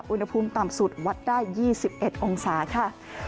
อุณหภูมิต่ำสุดวัดได้๒๑องศาค่ะ